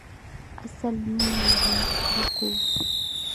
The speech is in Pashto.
اصل نوم یې محمد حق وو.